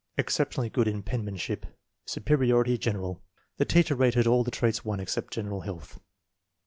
Exception ally good in penmanship. Superiority general. The teacher rated all the traits 1 except general health.